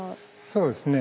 そうですね。